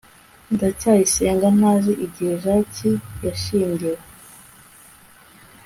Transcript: ndacyayisenga ntazi igihe jaki yashyingiwe